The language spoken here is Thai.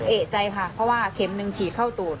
เอกใจค่ะเพราะว่าเข็มหนึ่งฉีดเข้าตูด